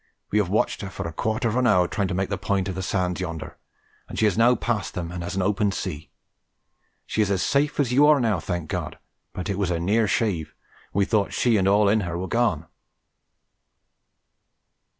We have watched her for a quarter of an hour trying to make the point of the sands yonder, and she is now past them and has an open sea. She is as safe as you are now, thank God; but it was a near shave, and we thought she and all in her were gone."